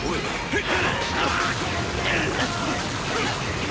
えっ？